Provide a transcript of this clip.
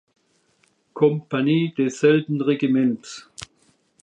Kompanie desselben Regiments.